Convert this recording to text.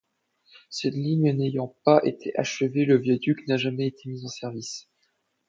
Cette ligne n'ayant pas été achevée, le viaduc n'a jamais été mis en service.